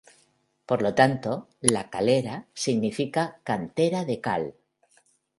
Por lo tanto, La Calera significa "cantera de cal".